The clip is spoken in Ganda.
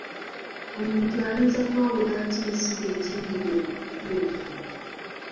Omuntu ayinza kwala atya ensigo enjingirire ku ntuufu?